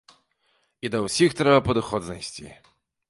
І да ўсіх трэба падыход знайсці.